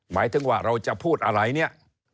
หมายถึงว่าเราจะพูดอะไร